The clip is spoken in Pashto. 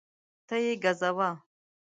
ته یې ګزوه